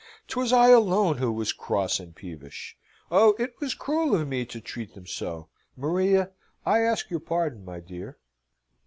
'Twas I alone who was cross and peevish. Oh, it was cruel of me to treat them so! Maria, I ask your pardon, my dear."